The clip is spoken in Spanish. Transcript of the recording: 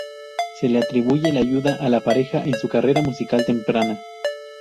Se le atribuye la ayuda a la pareja en su carrera musical temprana.